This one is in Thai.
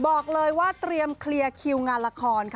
บอกเลยว่าเตรียมเคลียร์คิวงานละครค่ะ